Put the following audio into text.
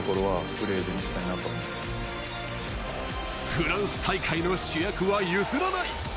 フランス大会の主役は譲らない。